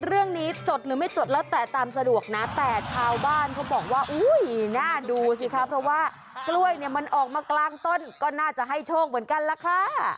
จดหรือไม่จดแล้วแต่ตามสะดวกนะแต่ชาวบ้านเขาบอกว่าอุ้ยน่าดูสิคะเพราะว่ากล้วยเนี่ยมันออกมากลางต้นก็น่าจะให้โชคเหมือนกันล่ะค่ะ